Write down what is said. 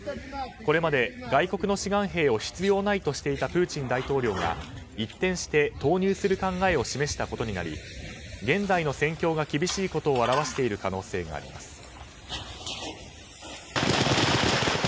これまで外国の志願兵を必要ないとしていたプーチン大統領が一転して投入する考えを示したことになり現在の戦況が厳しいことを表している可能性があります。